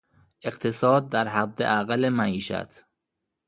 اقتصاد در حداقل معیشت